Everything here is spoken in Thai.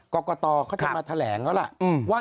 กรกฎอก็จะมาแสดงแล้วละ